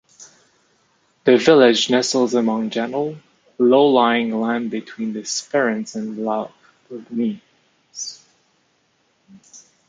The village nestles among gentle, low-lying land between the Sperrins and Lough Neagh.